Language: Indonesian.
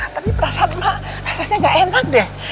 tapi perasaan mak perasaannya nggak enak deh